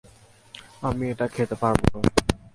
আমি এটা খেতে পারবোনা।